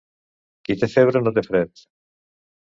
Qui té febre no té fred.